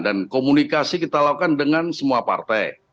dan komunikasi kita lakukan dengan semua partai